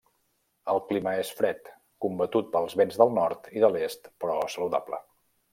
El clima és fred, combatut pels vents del nord i de l'est, però saludable.